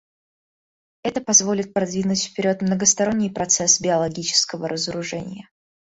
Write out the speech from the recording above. Это позволит продвинуть вперед многосторонний процесс биологического разоружения.